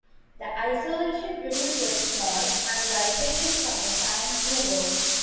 The isolation reduces noise and vibration from the prime mover.